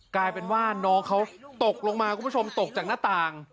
กลายเป็นว่าน้องเขาตกลงมาคุณผู้ชมตกจากหน้าต่าง